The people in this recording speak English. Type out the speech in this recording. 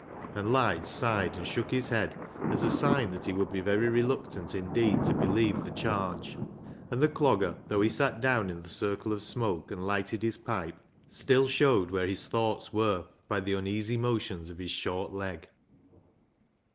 And Lige sighed and shook his head, as a sign that he would be very reluctant indeed to believe the charge. And the Clogger, though he sat down in the circle of smoke and lighted his pipe, still showed where his thoughts were by the uneasy motions of his short leg.